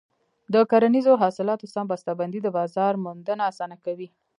د کرنیزو حاصلاتو سم بسته بندي د بازار موندنه اسانه کوي.